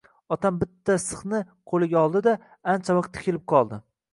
Otam bitta sixni qo‘liga oldi-da ancha vaqt tikilib qoldi.